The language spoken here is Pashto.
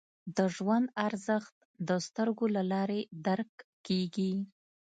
د ژوند ارزښت د سترګو له لارې درک کېږي